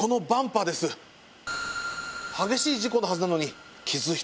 激しい事故のはずなのに。